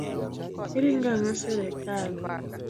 Iringo ang'o sirikal.